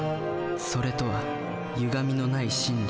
「それ」とはゆがみのない真理。